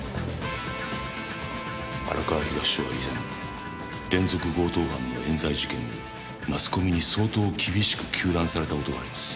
荒川東署は以前連続強盗犯の冤罪事件をマスコミに相当厳しく糾弾された事があります。